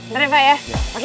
ntar ya pak ya